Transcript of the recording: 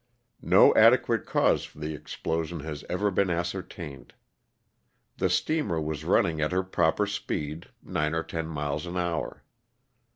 No adequate cause for the explosion has ever been ascertained. The steamer was running at her proper speed (nine or ten miles an hour).